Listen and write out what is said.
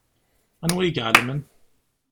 Anwa i iɛelmen?